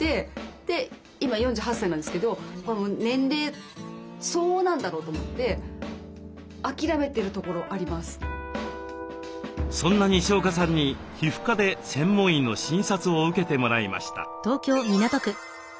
で今４８歳なんですけど年齢相応なんだろうと思ってそんなにしおかさんに皮膚科で専門医の診察を受けてもらいました。